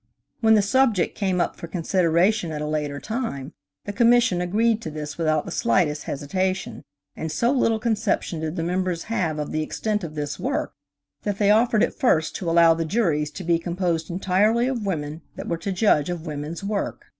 When the subject came up for consideration at a later time, the Commission agreed to this without the slightest hesitation, and so little conception did the members have of the extent of this work, that they offered at first to allow the juries to be composed entirely of women that were to judge of women's work.